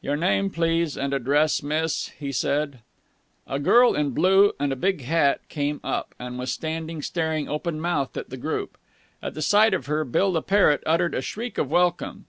"Your name, please, and address, miss?" he said. A girl in blue with a big hat had come up, and was standing staring open mouthed at the group. At the sight of her Bill the parrot uttered a shriek of welcome.